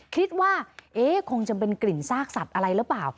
คิดว่าเอ๊ะคงจะเป็นกลิ่นซากสัตว์อะไรหรือเปล่า